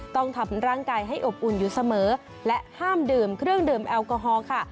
ต้องทำร่างกายให้อบอุ่นอยู่เสมอและห้ามดื่มเครื่องดื่มแอลกอฮอล์ค่ะ